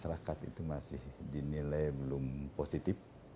masyarakat itu masih dinilai belum positif